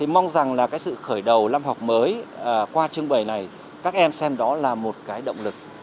mong rằng sự khởi đầu năm học mới qua trường bày này các em xem đó là một cái động lực